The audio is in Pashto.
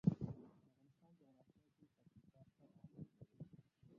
د افغانستان جغرافیه کې پکتیکا ستر اهمیت لري.